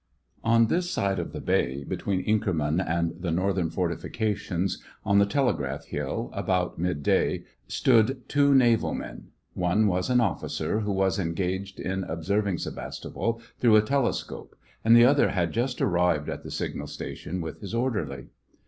On this side of the bay, between Inkerman and the northern fortifications, on the telegraph hill, about midday, stood' two naval men ; one was an officer, who was engaged in observing Sevasto pol through a telescope, and the other had just arrived at the signal station with his orderly.